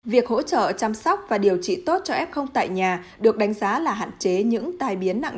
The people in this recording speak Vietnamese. việc hỗ trợ chăm sóc và điều trị tốt cho f tại nhà được đánh giá là hạn chế những tai biến nặng